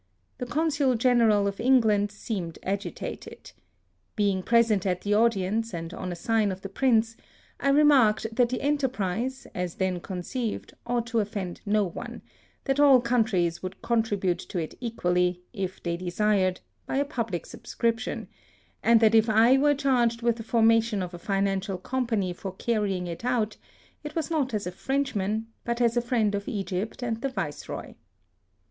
The Consul General of England seem ed agitated. Being present at the audience, and on a sign of the Prince, I remarked that the enterprise, as then conceived, ought to offend no one — ^that all countries would con tribute to it equally, if they desired, by a public subscription, and that if I were charged with the formation of a financial company for carrying it out, it was not as a THE SUEZ CANAL. 15 Frenchman, but as a friend of Egypt and the Viceroy.